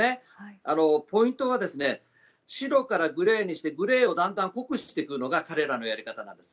ポイントは白からグレーにしてグレーをだんだん濃くしていくのが彼らのやり方なんです。